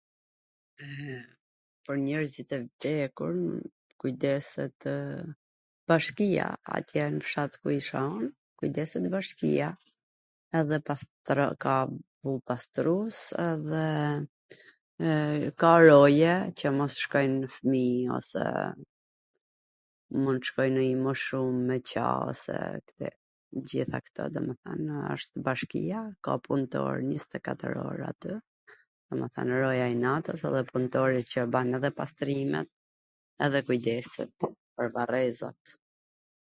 Pwr njerzit e vdekur kujdesetw bashkia, atje nw fshat ku isha un kujdeset bashkia edhe pastr... ka pastrus edhe ka roje, qw mos shkojn fmij ose mund t shkoj ndonjw i moshum, ...t gjitha kto domethwnw wsht bashkia, ka puntor njwztekatwr or aty, domethwn roja i natws, edhe puntori qw ban edhe pastrimet dhe kujdeset pwr varrezat,